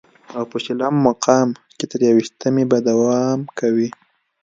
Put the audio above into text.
او په شلم مقام چې تر يوویشتمې به دوام کوي